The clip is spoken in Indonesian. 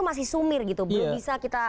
masih sumir gitu belum bisa kita